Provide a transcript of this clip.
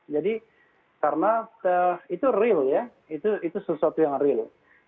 jadi karena itu real ya itu sesuatu yang real